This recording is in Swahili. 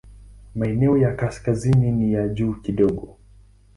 Maeneo ya kaskazini ni ya juu kidogo.